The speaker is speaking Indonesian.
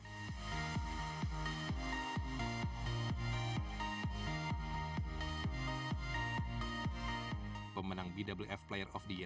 ia masuk dalam nominasi bultangis putra para badminton player of the year